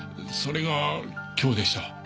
それが今日でした。